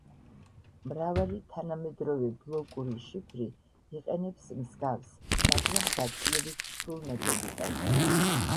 მრავალი თანამედროვე ბლოკური შიფრი იყენებს მსგავს, მაგრამ გაცილებით რთულ მეთოდიკას.